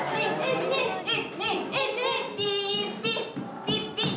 ピーッピッ！